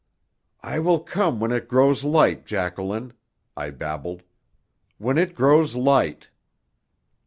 "I will come when it grows light, Jacqueline," I babbled. "When it grows light!"